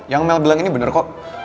yang mel bilang ini benar kok